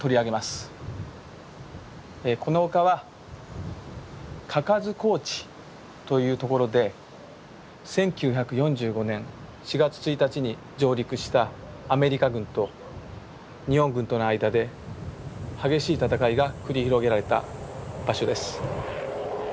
この丘は嘉数高地という所で１９４５年４月１日に上陸したアメリカ軍と日本軍との間で激しい戦いが繰り広げられた場所です。